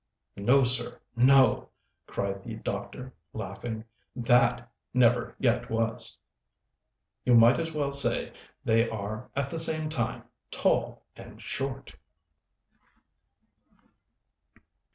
"No, sir, no," cried the doctor, laughing; "that never yet was: you might as well say they are at the same time tall and short."